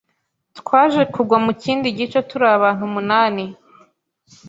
twaje kugwa mu kindi gico turi abantu umunani,